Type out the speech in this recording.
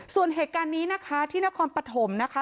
ส่วนเหตุการณ์นี้นะคะที่นครปฐมนะคะ